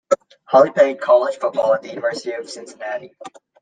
Holly played college football at the University of Cincinnati.